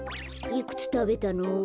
いくつたべたの？